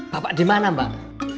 bapak dimana mbak